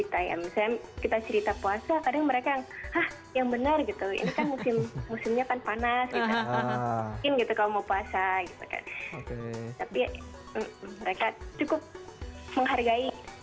tapi mereka cukup menghargai